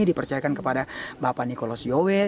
saya percaya kepada bapak nicholas jowe